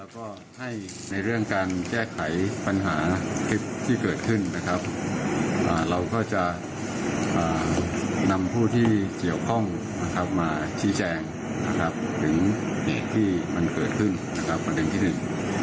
ก็ให้ในเรื่องการแจ้ไขปัญหาทริปที่เกิดขึ้นเราก็จะนำผู้ที่เกี่ยวข้องมาชี้แจงถึงที่มันเกิดขึ้นประเด็นที่หนึ่ง